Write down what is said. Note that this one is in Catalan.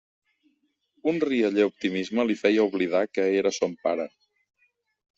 Un rialler optimisme li feia oblidar que era son pare.